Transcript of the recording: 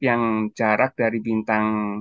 yang jarak dari bintang